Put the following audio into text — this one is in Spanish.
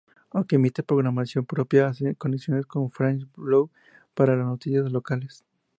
Aunque emite programación propia, hace conexiones con France Bleu para las noticias locales.